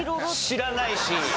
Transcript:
知らないし。